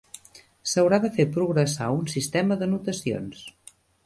S'haurà de fer progressar un sistema de notacions.